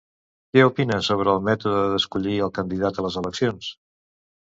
Què opina sobre el mètode d'escollir el candidat a les eleccions?